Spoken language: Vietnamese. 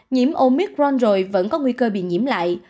nhiễm omicron rồi vẫn có nguy cơ bị nhiễm lại